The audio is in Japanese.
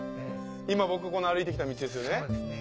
今僕歩いてきた道ですよね。